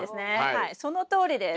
はいそのとおりです。